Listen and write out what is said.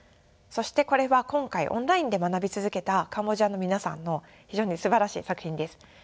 そしてこれは今回オンラインで学び続けたカンボジアの皆さんの非常にすばらしい作品です。